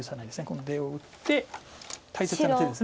出を打って大切な手です。